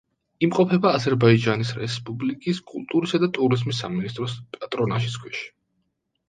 იმყოფება აზერბაიჯანის რესპუბლიკის კულტურისა და ტურიზმის სამინისტროს პატრონაჟის ქვეშ.